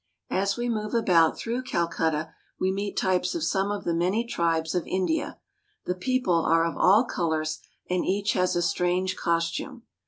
As we move about through Calcutta, we meet types of some of the many tribes of India. The people are of all colors, and each has a strange costume.